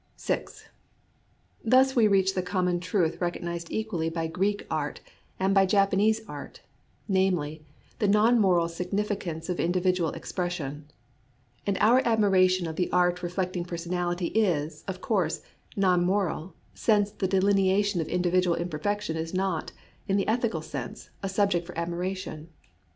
VI Thus we reach the common truth recog nized equally by Greek art and by Japanese 118 ABOUT FACES IN JAPANESE ART art, namely, the non moral significance of in dividual expression. And our admiration of the art reflecting personality is, of course, non moral, since the delineation of individual imperfection is not, in the ethical sense, a sub ject for admiration.